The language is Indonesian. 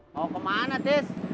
mau kemana tis